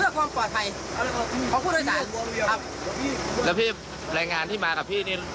เพื่อความปลอดภัยของผู้โดยสารครับแล้วพี่แรงงานที่มากับพี่นี่